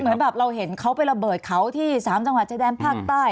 เหมือนแบบเราเห็นเขาไประเบิดเขาที่๓จังหวัดชายแดนภาคใต้